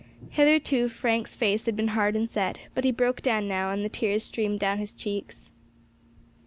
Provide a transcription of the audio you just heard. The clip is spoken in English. Hitherto Frank's face had been hard and set, but he broke down now, and the tears streamed down his cheeks.